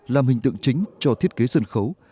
làm hình tượng chính cho thiết kế sân khấu